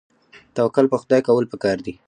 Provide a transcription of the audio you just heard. توکل په خدای کول پکار دي